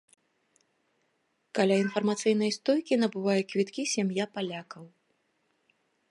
Каля інфармацыйнай стойкі набывае квіткі сям'я палякаў.